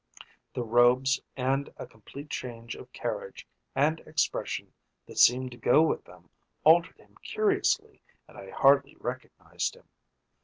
The robes and a complete change of carriage and expression that seemed to go with them altered him curiously and I hardly recognised him.